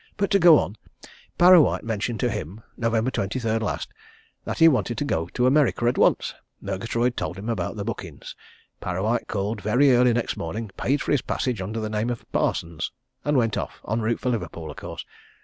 "But to go on Parrawhite mentioned to him, November 23rd last, that he wanted to go to America at once, Murgatroyd told him about bookings. Parrawhite called very early next morning, paid for his passage under the name of Parsons, and went off en route for Liverpool, of course.